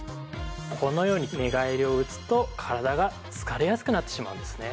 このように寝返りを打つと体が疲れやすくなってしまうんですね。